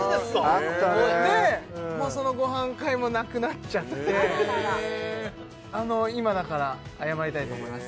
あったねでもうそのご飯会もなくなっちゃってあららあの今だから謝りたいと思います